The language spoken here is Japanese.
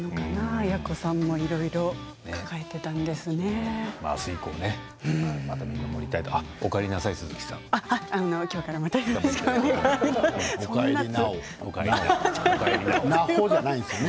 亜哉子さんもいろいろ抱えていたんですね。